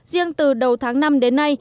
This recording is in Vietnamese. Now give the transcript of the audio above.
riêng từ đầu tháng năm đến nay